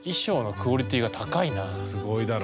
すごいだろ？